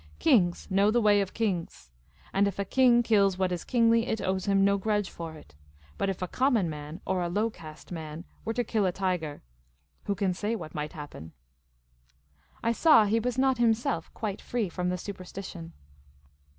Kings know the ways of kings. If a king kills what is kingly, it owes him no grudge for it. But if a common man or a low caste man were to kill a tiger — who can say what might happen ?'' I saw he was not himself quite free from the supersti tion.